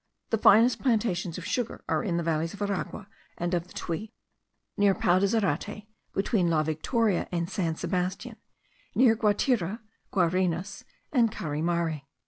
The finest plantations of sugar are in the valleys of Aragua and of the Tuy, near Pao de Zarate, between La Victoria and San Sebastian, near Guatire, Guarenas, and Caurimare.